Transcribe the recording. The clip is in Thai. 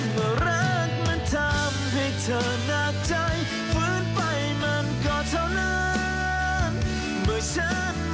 มันมาสุดทางฝัน